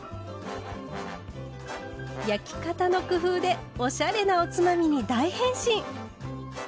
焼き方の工夫でおしゃれなおつまみに大変身！